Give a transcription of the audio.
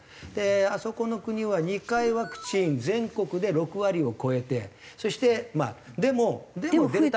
あそこの国は２回ワクチン全国で６割を超えてそしてまあでもでもデルタ株の。